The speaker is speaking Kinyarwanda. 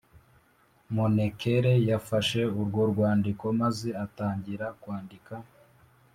Mone Kele yafashe urwo rwandiko maze atangira kwandika